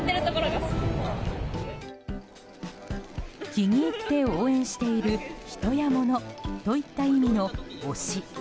気に入って応援している人や物といった意味の「推し」。